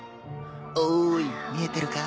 おーい見えてるか？